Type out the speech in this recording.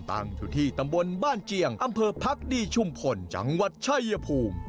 ตั้งอยู่ที่ตำบลบ้านเจียงอำเภอพักดีชุมพลจังหวัดชายภูมิ